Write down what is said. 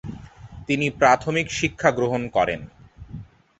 তিনি প্রাথমিক শিক্ষাগ্রহণ করেন।